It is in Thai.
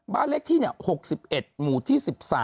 บ้านเลขที่๖๑หมู่ที่๑๓